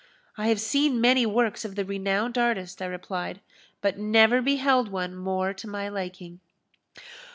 "I have seen many works of the renowned artist," I replied, "but never beheld one more to my liking!"